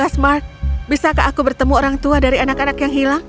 smart bisakah aku bertemu orang tua dari anak anak yang hilang